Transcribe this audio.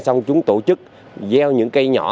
xong chúng tổ chức gieo những cây nhỏ